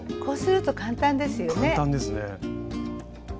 こうすると簡単ですよね。